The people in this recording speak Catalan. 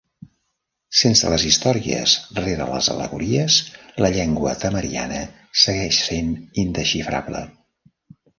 Sense les històries rere les al·legories, la llengua tamariana segueix sent indesxifrable.